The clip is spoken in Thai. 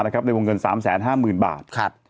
ในวงเงิน๓๕๐๐๐บาท